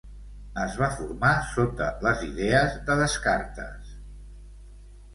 Es va formar sota les idees de Descartes.